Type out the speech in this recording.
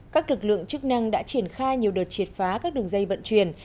các lực lượng chức năng đã triển khai nhiều đợt triệt phá các đường dây vận chuyển